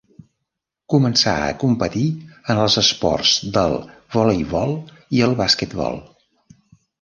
Començà a competir en els esports del voleibol i el basquetbol.